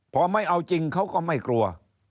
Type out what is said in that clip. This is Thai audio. พอไม่เอาจริงเขาก็ไม่กลัว